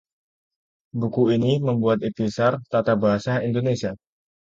buku ini memuat ikhtisar tata bahasa Indonesia